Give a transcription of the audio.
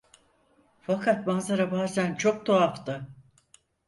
Fakat manzara bazen çok tuhaftı.